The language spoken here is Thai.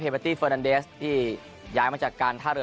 เบอร์ตี้เฟอร์นันเดสที่ย้ายมาจากการท่าเรือ